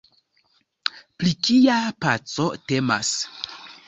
Pri kia paco temas?